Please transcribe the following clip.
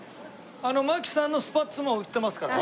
槙さんのスパッツも売ってますから。